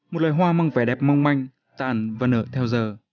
một loài hoa mang vẻ đẹp mong manh tàn và nở theo giờ